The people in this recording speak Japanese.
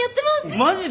マジで！？